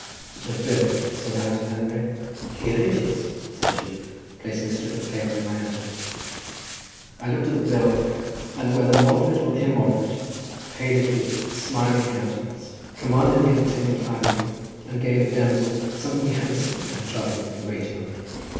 "The bill?" said I to the handmaid. "Here it is!" said she, placing a strip of paper in my hand. I looked at the bill, and, whether moderate or immoderate, paid it with a smiling countenance, commended the entertainment highly, and gave the damsel something handsome for her trouble in waiting on me.